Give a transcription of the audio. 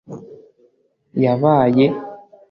yabaye